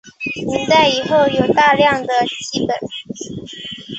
明代以后有大量的辑本。